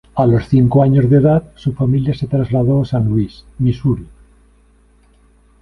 A los cinco años de edad su familia se trasladó a San Luis, Misuri.